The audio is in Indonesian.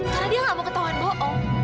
karena dia gak mau ketahuan bohong